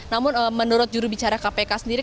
namun menurut juru bicara kpk sendiri